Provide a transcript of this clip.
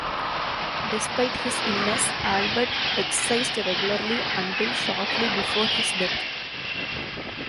Despite his illness, Albert exercised regularly until shortly before his death.